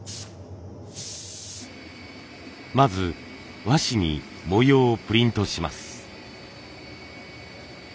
まず和紙に模様をプリントします。